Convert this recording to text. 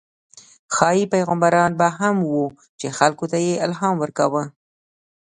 ښايي پیغمبران به هم وو، چې خلکو ته یې الهام ورکاوه.